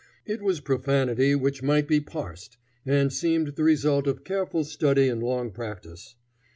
It was profanity which might be parsed, and seemed the result of careful study and long practice.